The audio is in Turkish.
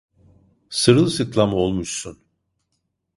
Sırılsıklam olmuşsun.